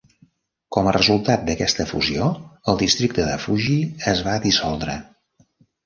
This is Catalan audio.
Com a resultat d"aquesta fusió, el districte de Fuji es va dissoldre.